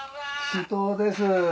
首藤です。